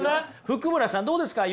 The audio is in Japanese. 福村さんどうですか？